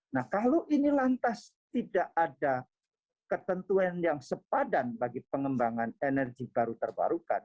nah kalau ini lantas tidak ada ketentuan yang sepadan bagi pengembangan energi baru terbarukan